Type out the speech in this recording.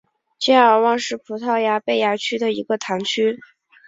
加尔旺是葡萄牙贝雅区的一个堂区。